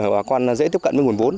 bà con dễ tiếp cận với nguồn vốn